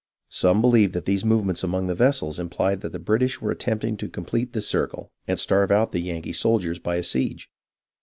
Some believed that these movements among the vessels implied that the British were attempting to complete this circle and starve out the Yankee soldiers by a siege.